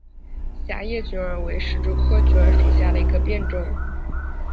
狭叶卷耳为石竹科卷耳属下的一个变种。